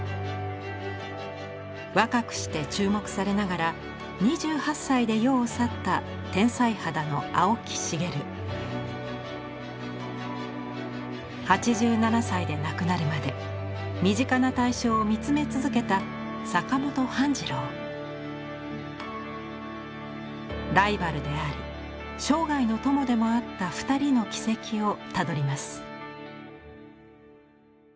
若くして注目されながら２８歳で世を去った天才肌の８７歳で亡くなるまで身近な対象を見つめ続けたライバルであり生涯の友でもあった二人の軌跡をたどります。